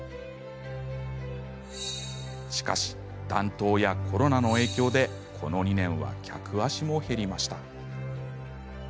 しかし、暖冬やコロナの影響でこの２年は客足も減りました。